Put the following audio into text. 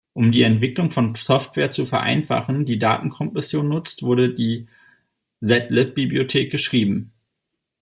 Um die Entwicklung von Software zu vereinfachen, die Datenkompression nutzt, wurde die "zlib"-Bibliothek geschrieben.